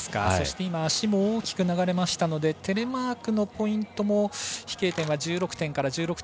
そして、今足も大きく流れましたのでテレマークのポイントも飛型点は１６から１６．５。